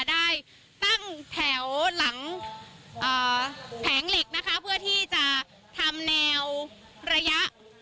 ได้ตั้งแถวหลังแผงเหล็กนะคะเพื่อที่จะทำแนวระยะ